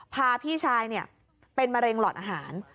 พาพี่ชายเป็นมะเร็งหลอดอาหาร